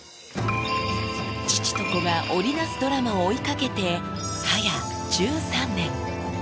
父と子が織り成すドラマを追いかけて、早１３年。